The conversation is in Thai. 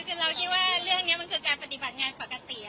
คือเราคิดว่าเรื่องนี้มันคือการปฏิบัติงานปกติ